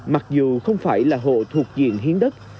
mặc dù không phải là hộ thuộc diện hiến đất